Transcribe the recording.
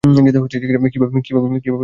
কিভাবে কি পারলাম?